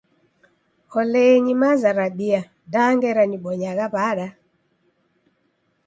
Olenyi maza rabia da ngera nibonyagha w'ada!